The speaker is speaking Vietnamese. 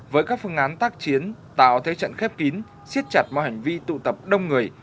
với các phương án tác chiến tạo thế trận khép kín xiết chặt mọi hành vi tụ tập đông người